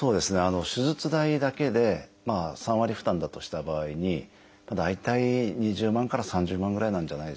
手術代だけで３割負担だとした場合に大体２０万から３０万ぐらいなんじゃないでしょうかね。